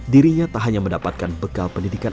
dirinya tak hanya mendapatkan bekal pendidikan